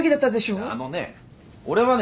あのね俺はね